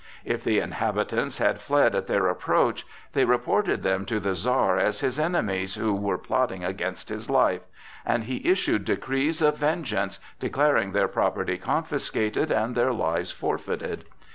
If the inhabitants had fled at their approach, they reported them to the Czar as his enemies who were plotting against his life, and he issued decrees of vengeance declaring their property confiscated and their lives forfeited.